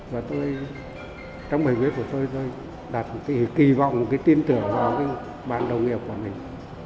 và tôi trong bài viết của tôi tôi đặt kỳ vọng tin tưởng vào bạn đồng nghiệp của mình